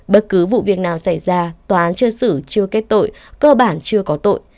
bất cứ vụ việc nào xảy ra tòa án chưa xử chưa kết tội cơ bản chưa có tội